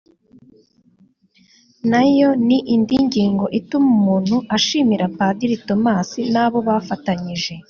nayo ni indi ngingo ituma umuntu ashimira Padiri Thomas n’abo bafatanyije